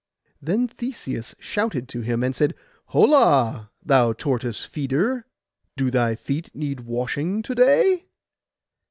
Then Theseus shouted to him, and said, 'Holla, thou tortoise feeder, do thy feet need washing to day?